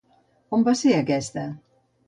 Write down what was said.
On va ser aquesta?